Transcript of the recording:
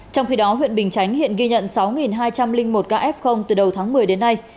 trong khi đó huyện bình chánh hiện ghi nhận sáu hai trăm linh một ca f từ đầu tháng một mươi đến nay